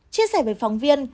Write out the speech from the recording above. chia sẻ với phóng viên